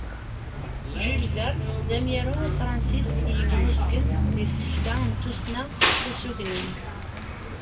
Jules Verne d amyaru afransis yemmuzgen deg tsekla n tussna tasugnant.